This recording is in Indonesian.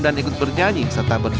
dan ikut bernyanyi serta berjoget bersama